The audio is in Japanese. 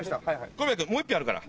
小宮君もう１品あるから。